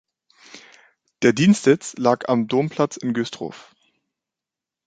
Der Dienstsitz lag am Domplatz in Güstrow.